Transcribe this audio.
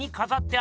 あ？